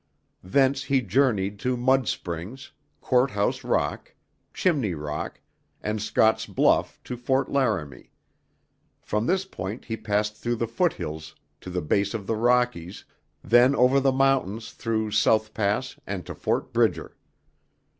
Thence he journeyed to Mud Springs, Court House Rock, Chimney Rock, and Scott's Bluffs to Fort Laramie. From this point he passed through the foot hills to the base of the Rockies, then over the mountains through South Pass and to Fort Bridger.